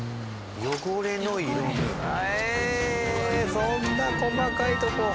そんな細かいとこ。